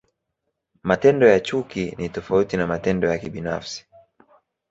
Matendo ya chuki ni tofauti na matendo ya kibinafsi.